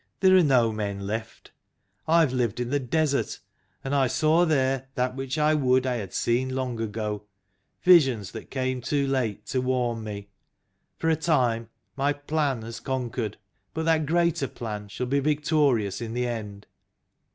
" There are no men left. I have lived in the desert, and I saw there that which I would I had seen long ago visions that came too late to warn me. For 30 THE LAST GENERATION a time my Plan has conquered ; but that greater Plan shall be victorious in the end."